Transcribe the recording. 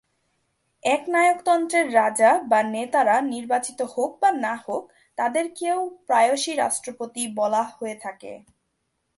একনায়ক তন্ত্রের রাজা বা নেতারা নির্বাচিত হোক বা না হোক, তাদেরকেও প্রায়শই রাষ্ট্রপতি বলা হয়ে থাকে।